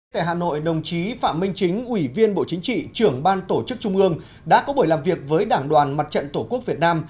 tại hà nội đồng chí phạm minh chính ủy viên bộ chính trị trưởng ban tổ chức trung ương đã có buổi làm việc với đảng đoàn mặt trận tổ quốc việt nam